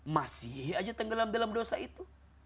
masih aja tenggelam dalam dosa itu